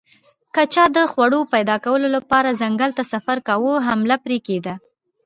که چا د خوړو پیدا کولو لپاره ځنګل ته سفر کاوه حمله پرې کېده